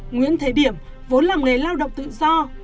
nguyễn thế điểm vốn là nghề lao động tự do